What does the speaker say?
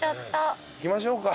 行きましょうか。